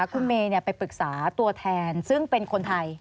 คุณเมย์ไปปรึกษาตัวแทนซึ่งเป็นคนไทย